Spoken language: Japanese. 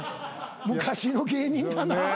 昔の芸人だなあ。